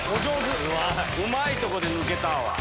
うまいとこで抜けたわ。